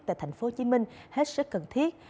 tại thành phố hồ chí minh hết sức cần thiết